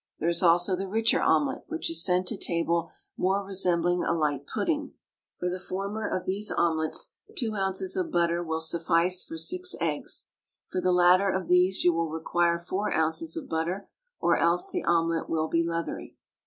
There is also the richer omelet, which is sent to table more resembling a light pudding. For the former of these omelets, two ounces of butter will suffice for six eggs; for the latter of these you will require four ounces of butter, or else the omelet will be leathery.